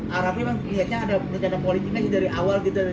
pak arapi memang lihatnya ada negara politiknya dari awal gitu